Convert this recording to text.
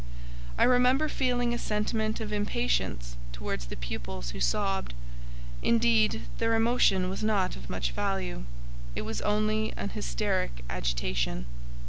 I remember feeling a sentiment of impatience towards the pupils who sobbed. Indeed, their emotion was not of much value: it was only an hysteric agitation.